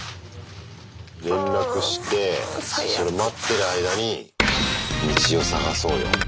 連絡してそれ待ってる間に道を探そうよ。